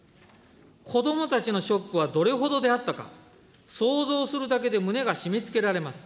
子どもたちのショックはどれほどであったか、想像するだけで胸が締めつけられます。